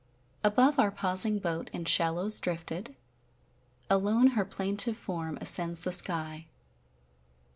Above our pausing boat in shallows drifted, Alone her plaintive form ascends the sky.